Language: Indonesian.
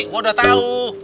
gua udah tau